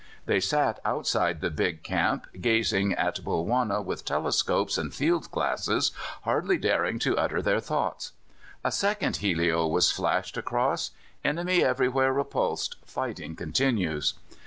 They sat outside the big camp, gazing on Bulwana with telescopes and field glasses, hardly daring to utter their thoughts. A second helio was flashed across: "Enemy everywhere repulsed; fighting continues."